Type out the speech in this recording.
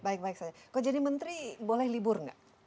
baik baik saja kau jadi menteri boleh libur gak